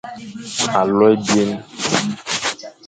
Alo ebyen,